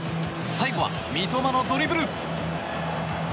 最後は三笘のドリブル。